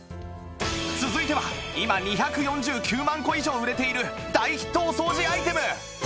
続いては今２４９万個以上売れている大ヒットお掃除アイテム